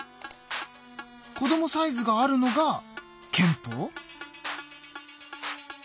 こどもサイズがあるのが憲法？